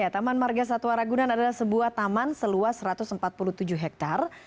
taman marga satwa ragunan adalah sebuah taman seluas satu ratus empat puluh tujuh hektare